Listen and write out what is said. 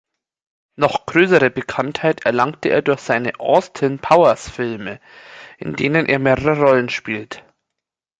Noch größere Bekanntheit erlangte er durch seine Austin-Powers-Filme, in denen er mehrere Rollen spielt.